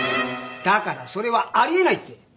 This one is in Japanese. だからそれはあり得ないって！